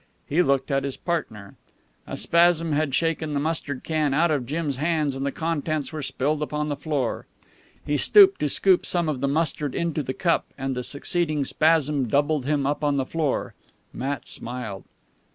He looked at his partner. A spasm had shaken the mustard can out of Jim's hands, and the contents were spilled upon the floor. He stooped to scoop some of the mustard into the cup, and the succeeding spasm doubled him up on the floor. Matt smiled.